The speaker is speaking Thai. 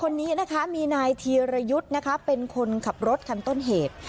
คนนี้นะคะมีนายธีรยุทธ์นะคะเป็นคนขับรถคันต้นเหตุ